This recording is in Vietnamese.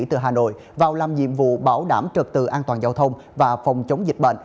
từ hà nội vào làm nhiệm vụ bảo đảm trật tự an toàn giao thông và phòng chống dịch bệnh